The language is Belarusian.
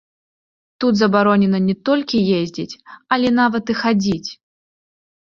Тут забаронена не толькі ездзіць, але нават і хадзіць!